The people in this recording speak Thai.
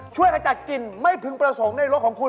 ช่วยหรือกระจัดกลิ่นไม่พึงประสงค์ในรถของคุณ